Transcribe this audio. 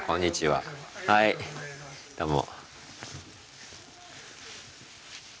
はいどうも。